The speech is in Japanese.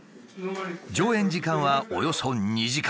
上演時間はおよそ２時間。